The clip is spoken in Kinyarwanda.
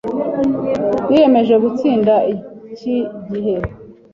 Yiyemeje gutsinda iki gihe.